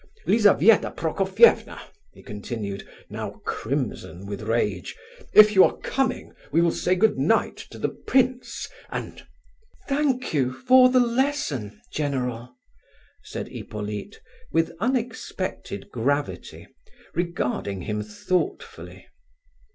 Lizabetha Prokofievna!" he continued, now crimson with rage, "if you are coming, we will say goodnight to the prince, and—" "Thank you for the lesson, general," said Hippolyte, with unexpected gravity, regarding him thoughtfully.